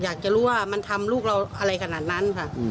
อยากจะรู้ว่ามันทำลูกเราอะไรขนาดนั้นค่ะ